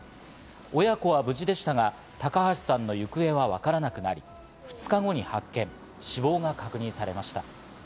親子は無事でしたが、高橋さんの行方はわからなくなり、２日後に発見。死亡が確認されました。